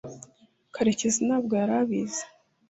karekezi ntabwo yari abizi